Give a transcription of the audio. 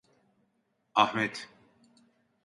Ahmet